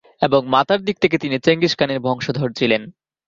এবং মাতার দিক থেকে তিনি চেঙ্গিস খানের বংশধর ছিলেন।